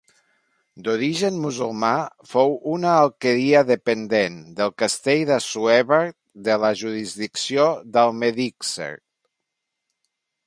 D'origen musulmà, fou una alqueria dependent, del castell d'Assuévar de la jurisdicció d'Almedíxer.